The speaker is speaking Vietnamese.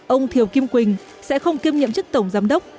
ông thiều kim quỳnh sẽ không kiêm nhiệm chức tổng giám đốc